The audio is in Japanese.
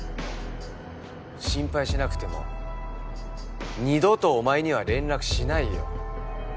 心配しなくても二度とお前には連絡しないよ。